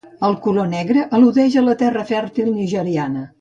El color negre al·ludeix a la terra fèrtil nigeriana.